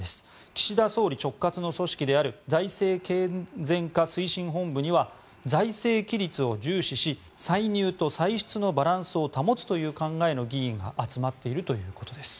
岸田総理直轄の組織である財政健全化推進本部には財政規律を重視し歳入と歳出のバランスを保つという考えの議員が集まっているということです。